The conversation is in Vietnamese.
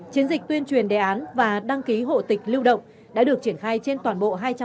chiến dịch tuyên truyền đề án và đăng ký hộ tịch lưu động đã được triển khai trên toàn bộ hai trăm linh đồng